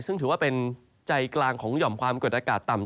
ซึ่งถือว่าเป็นใจกลางของหย่อมความกดอากาศต่ำ